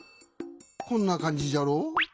こんな感じじゃろ。